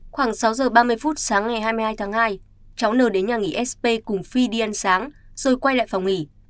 khoảng sáu giờ ba mươi phút sáng ngày hai mươi hai tháng hai cháu n đến nhà nghỉ sp cùng phi đi ăn sáng rồi quay lại phòng nghỉ